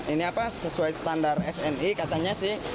ini apa sesuai standar sni katanya sih